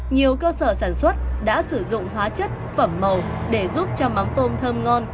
nhiều cơ sở sản xuất đã sử dụng hóa chất phẩm màu để giúp cho móng tôm thơm ngon